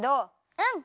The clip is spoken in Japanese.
うん。